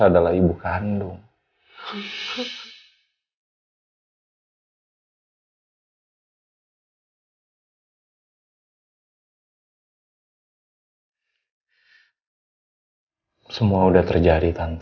dulu aku masih never get out